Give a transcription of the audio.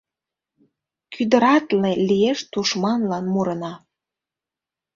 Кӱдыратле лиеш тушманлан мурына.